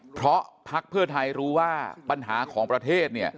เพราะพักเพื่อไทยรู้ว่าปัญหาของประเทศเนี่ย